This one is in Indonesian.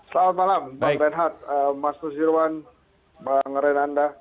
selamat malam bang renhat mas nusirwan bang renanda